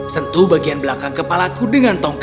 sentuh bagian belakang kepalaku dengan tongkat